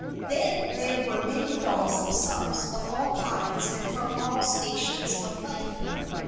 Then there were many dolls themselves of all kinds and from all stations in life.